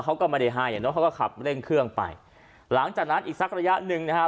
เขาก็ไม่ได้ให้อ่ะเนอะเขาก็ขับเร่งเครื่องไปหลังจากนั้นอีกสักระยะหนึ่งนะฮะ